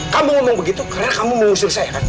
kamu ngomong begitu karena kamu mengusur saya kan